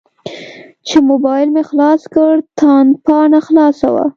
چې موبایل مې خلاص کړ تاند پاڼه خلاصه وه.